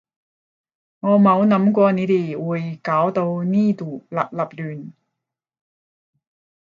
我冇諗過你哋會搞到呢度笠笠亂